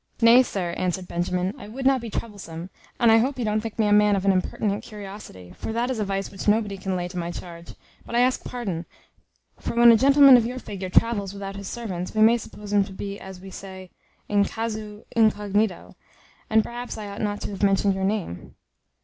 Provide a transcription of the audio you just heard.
"Nay, sir," answered Benjamin, "I would not be troublesome; and I hope you don't think me a man of an impertinent curiosity, for that is a vice which nobody can lay to my charge; but I ask pardon; for when a gentleman of your figure travels without his servants, we may suppose him to be, as we say, in casu incognito, and perhaps I ought not to have mentioned your name."